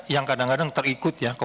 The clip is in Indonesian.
yang kadang kadang terikut ya